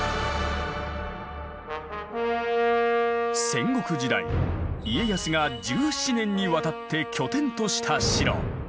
戦国時代家康が１７年にわたって拠点とした城。